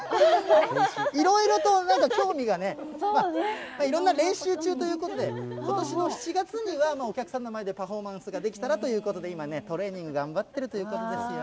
いろいろと、なんか興味がね、いろんな練習中ということで、ことしの７月には、お客さんの前でパフォーマンスができたらということで今ね、トレーニング頑張ってるということですよ。